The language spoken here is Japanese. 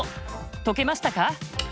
解けましたか？